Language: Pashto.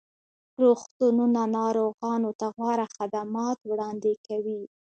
روغتونونه ناروغانو ته غوره خدمات وړاندې کوي.